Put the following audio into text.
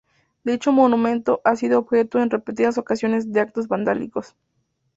Dicho monumento ha sido objeto en repetidas ocasiones de actos vandálicos.